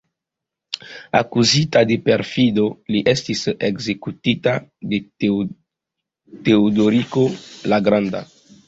Akuzita de perfido, li estis ekzekutita de Teodoriko la Granda.